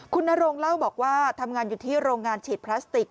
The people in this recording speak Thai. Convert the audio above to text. คุณนโรงเล่าบอกว่าทำงานอยู่ที่โรงงานฉีดพลาสติก